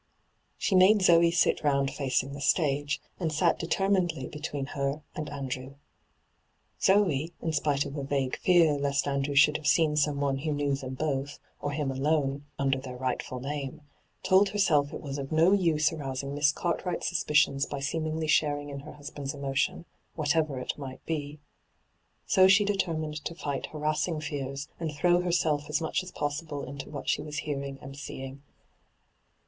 She made Zoe sit round facing the stf^e, and sat determinedly between her and Andrew. Zoe, in spite of a vague fear lest Andrew should have seen someone who knew them hyGoogIc ENTRAPPED 169 both, or him alone, under their rightful name, told herself it was of no use arousing Miss Cartwright's suspicions by seemingly sharing in her husband's emotion, whatever it might be. So she determined to fight harassing fears, and throw herself as much aa possible into what she was hearing and seeing.